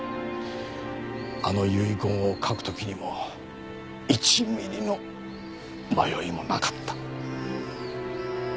あの遺言を書くときにも１ｍｍの迷いもなかった。